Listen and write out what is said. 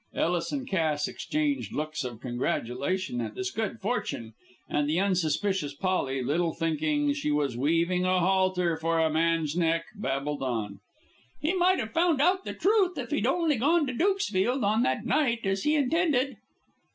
Ellis and Cass exchanged looks of congratulation at this good fortune, and the unsuspicious Polly, little thinking she was weaving a halter for a man's neck, babbled on. "He might have found out the truth if he'd only gone to Dukesfield on that night as he intended."